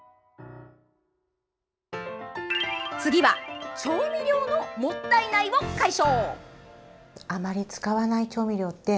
次は調味料のもったいないを解消。